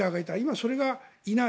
それがいない。